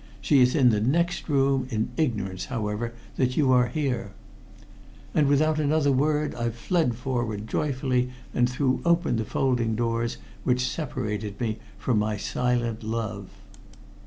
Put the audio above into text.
She is in the next room, in ignorance, however, that you are here." And without another word I fled forward joyfully, and threw open the folding doors which separated me from my silent love.